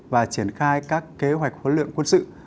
và triển khai các kế hoạch huấn luyện quân sự